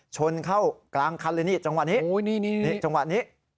ชนเข้ากลางคันเลยจังหวะนี้